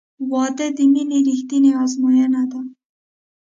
• واده د مینې رښتینی ازموینه ده.